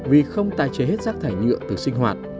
vì không tái chế hết rác thải nhựa từ sinh hoạt